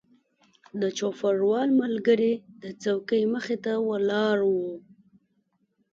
د چوپړوال ملګری د څوکۍ مخې ته ولاړ و.